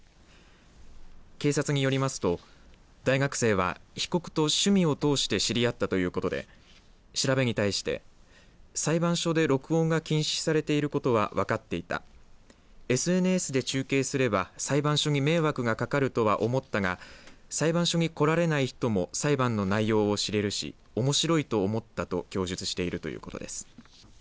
警察によりますと大学生は被告と趣味を通して知り合ったということで調べに対して裁判所で録音が禁止されていることをは分かっていたＳＮＳで中継すれば裁判所に迷惑がかかるとは思ったが裁判所に来られない人も裁判の内容を知れるしおもしろいと思ったと供述しているということです。